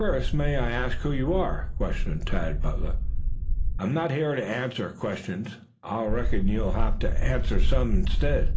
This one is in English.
"First, may I ask who you are?" questioned Tad Butler. "I'm not here to answer questions. I reckon you'll have to answer some instead."